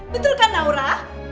betul kan naura